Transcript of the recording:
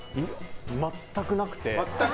全くなくて。